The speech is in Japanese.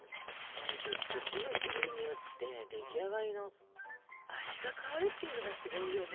ねえちょっと木の種類によって出来上がりの味が変わるっていうのがすごいよね。